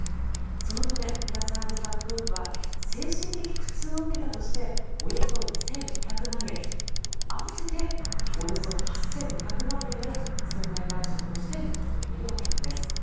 そのためプラサードさん夫婦は精神的苦痛を受けたとしておよそ２５００万円合わせておよそ８２００万円を損害賠償として求めているわけなんです。